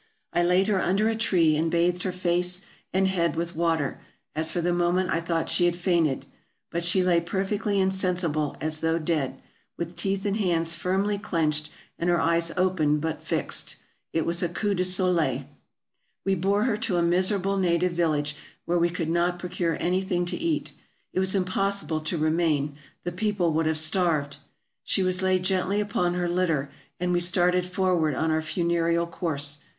I laid her under a tree, and bathed her head and face with water, as for the moment I thought she had fainted ; but she lay perfectly in sensible, as though dead, with teeth and hands firmly clinched, and her eyes open, but fixed. It was a coup de soldi. We bore her to a miserable native village, where we could not procure anything to eat. It was impossible to remain; the people would have starved. She was laid gently upon her litter, and we started forward on our funereal course.